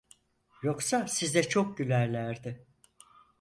Yoksa size çok gülerlerdi!